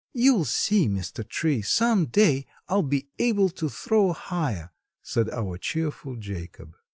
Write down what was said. "You'll see, Mr. Tree, some day, I'll be able to throw higher," said our cheerful Jacob.